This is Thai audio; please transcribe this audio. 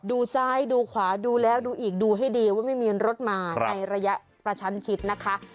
ดูซ้ายดูขวาดูแล้วดูอีกดูให้ดีว่าไม่มีรถมาในระยะประชันชิดนะคะ